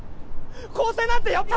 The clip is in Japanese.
更生なんてやっぱり。